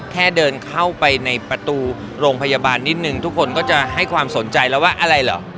แค่เดินเข้าไปในประตูโรงพยาบาลนิดนึงทุกคนก็จะให้ความสนใจแล้วว่าอะไรเหรอ